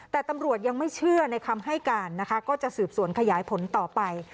แต่ตำรวจยังไม่เชื่อในคำให้การนะคะก็จะสืบสวนขยายผลต่อไป